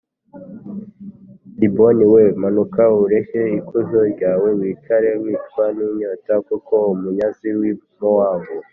i Dibonil we manuka ureke ikuzo ryawe wicare wicwa n inyota kuko umunyazi w i Mowabu